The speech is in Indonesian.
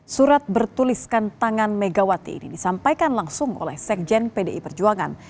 surat bertuliskan tangan megawati ini disampaikan langsung oleh sekjen pdi perjuangan